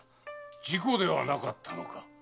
事故ではなかったのか？